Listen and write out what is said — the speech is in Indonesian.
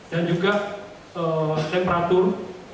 dan juga temperatur